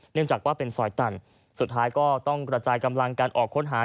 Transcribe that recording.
เนื่องจากว่าเป็นซอยตันสุดท้ายก็ต้องกระจายกำลังการออกค้นหา